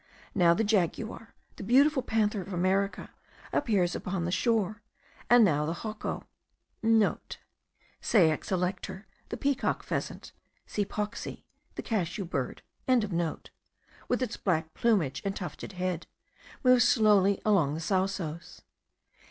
Now the jaguar the beautiful panther of America appears upon the shore; and now the hocco,* (* Ceyx alector, the peacock pheasant; C. pauxi, the cashew bird.) with its black plumage and tufted head, moves slowly along the sausos.